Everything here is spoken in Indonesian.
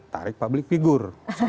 tarik publik figur